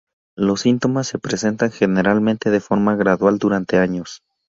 Los síntomas se presentan generalmente de forma gradual durante años.